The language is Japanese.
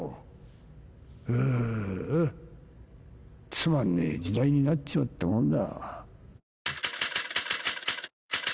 つまんねえ時代になっちまったもんだ。